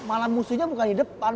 malah musuhnya bukan di depan